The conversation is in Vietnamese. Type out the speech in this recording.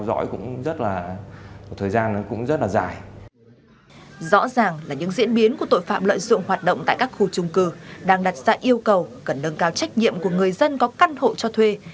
rõ ràng là những diễn biến của tội phạm lợi dụng hoạt động tại các khu trung cư đang đặt ra yêu cầu cần nâng cao trách nhiệm của người dân có căn hộ cho thuê